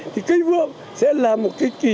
thì cây phượng sẽ là một cây kỳ